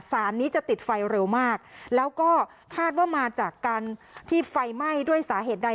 สารนี้จะติดไฟเร็วมากแล้วก็คาดว่ามาจากการที่ไฟไหม้ด้วยสาเหตุใด